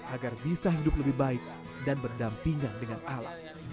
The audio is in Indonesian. agar bisa hidup lebih baik dan berdampingan dengan alam